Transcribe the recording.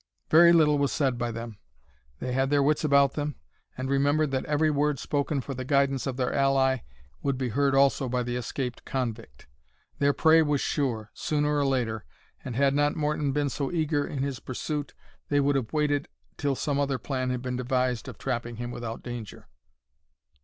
Very little was said by them. They had their wits about them, and remembered that every word spoken for the guidance of their ally would be heard also by the escaped convict. Their prey was sure, sooner or later, and had not Morton been so eager in his pursuit, they would have waited till some plan had been devised of trapping him without danger.